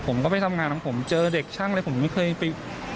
ผมก็ไปทำงานของผมเจอเด็กช่างอะไรผมไม่เคยไป